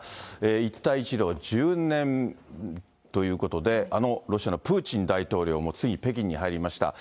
一帯一路１０年ということで、あのロシアのプーチン大統領もついに北京に入りました。